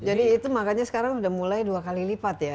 jadi itu makanya sekarang udah mulai dua kali lipat ya